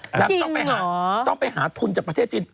จริงเหรอนางต้องไปหาทุนจากประเทศจีน